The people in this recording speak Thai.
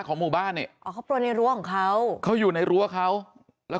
หมู่บ้านนี่อ๋อเขาโปรยในรั้วของเขาเขาอยู่ในรั้วเขาแล้ว